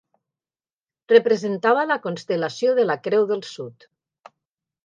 Representava la constel·lació de la creu del Sud.